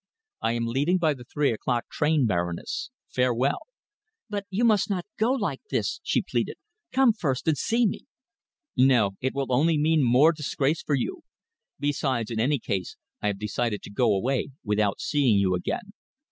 I am leaving by the three o'clock train, Baroness. Farewell!" "But you must not go like this," she pleaded. "Come first and see me." "No! It will only mean more disgrace for you. Besides in any case, I have decided to go away without seeing you again."